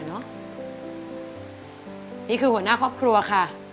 นี่คือหัวหน้าครอบครัวค่ะ